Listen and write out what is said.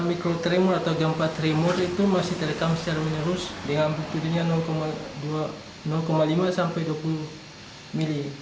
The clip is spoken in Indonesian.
gempa mikrotremor atau gempa tremor itu masih terkam secara menerus dengan amplituden lima sampai dua puluh mm